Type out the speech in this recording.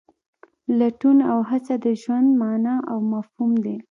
لټون او هڅه د ژوند مانا او مفهوم دی.